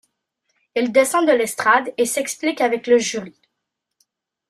Il descend de l'estrade et s'explique avec le jury.